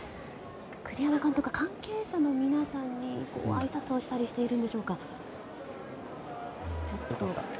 栗山監督が関係者の皆さんにあいさつをしてるんでしょうか。